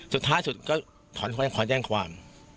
สุดท้ายสุดก็ถอนแจ้งความ